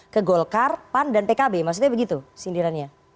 ke golkar pan dan pkb maksudnya begitu sindirannya